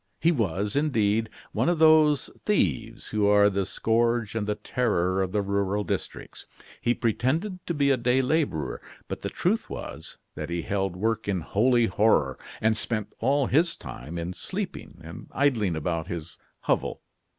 He was, indeed, one of those thieves who are the scourge and the terror of the rural districts. He pretended to be a day laborer, but the truth was, that he held work in holy horror, and spent all his time in sleeping and idling about his hovel.